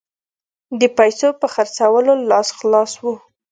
د پیسو په خرڅولو لاس خلاص وو.